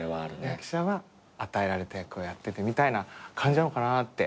役者は与えられた役をやっててみたいな感じなのかなって